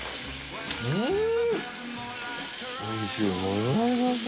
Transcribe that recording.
うん！